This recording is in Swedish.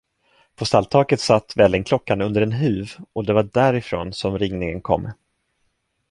På stalltaket satt vällingklockan under en huv, och det var därifrån, som ringningen kom.